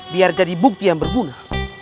biar jadi bukti yang berguna